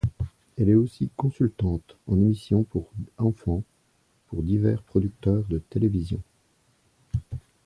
Elle est aussi consultante en émissions pour enfants pour divers producteurs de télévision.